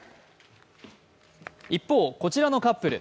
一方、こちらのカップル。